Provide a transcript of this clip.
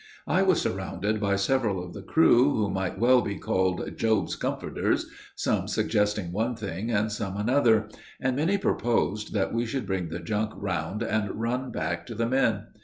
I was surrounded by several of the crew, who might well be called "Job's comforters," some suggesting one thing and some another; and many proposed that we should bring the junk round and run back to the Min.